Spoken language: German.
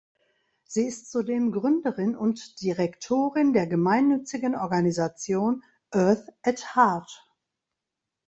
Sie ist zudem Gründerin und Direktorin der gemeinnützigen Organisation "Earth at Heart".